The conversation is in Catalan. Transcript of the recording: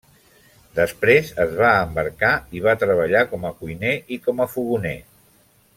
Després es va embarcar i va treballar com a cuiner i com a fogoner.